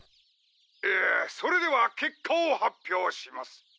ええそれでは結果を発表します。